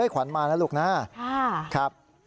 ขวัญมานะลูกนะฮะ